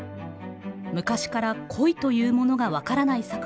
昔から恋というものが分からない